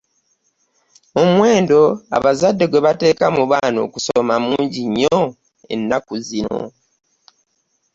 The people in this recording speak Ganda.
Omuwendo abazadde gwe bateeka mu baana okusoma mungi nnyo ennaku zino.